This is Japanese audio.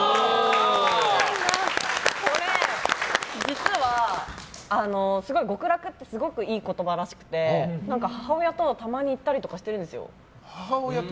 実は極楽ってすごいいい言葉らしくて母親とたまに言ったりしてるんですよ。